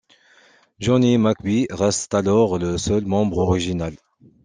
Jonny McBee reste alors le seul membre original.